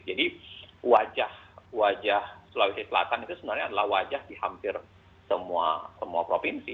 jadi wajah wajah sulawesi selatan itu sebenarnya adalah wajah di hampir semua provinsi